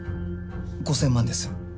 ５０００万です。